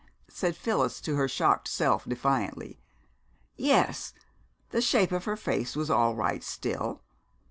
said Phyllis to her shocked self defiantly.... Yes, the shape of her face was all right still.